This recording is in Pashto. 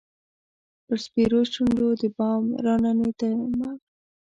پر سپیرو شونډو د بام راننېدمه